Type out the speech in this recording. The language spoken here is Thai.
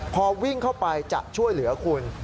พอวิ่งเข้าไปจะช่วยเหลือคุณ